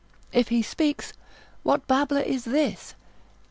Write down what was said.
If he speak, what babbler is this?